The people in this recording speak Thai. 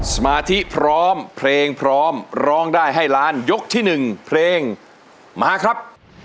สมาธิพร้อมเพลงพร้อมร้องได้ให้ล้านยกที่๑เพลงมาครับ